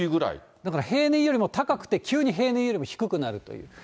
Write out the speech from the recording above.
だから平年よりも高くて、急に平年よりも低くなるという。